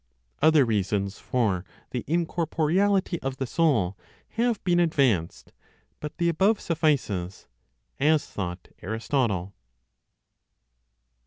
Other reasons for the incorporeality of the soul have been advanced; but the above suffices (as thought Aristotle).